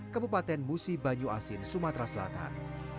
kabupaten musi banyu asin sumatera selatan